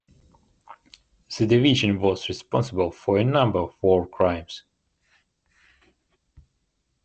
The division was responsible for a number of war crimes.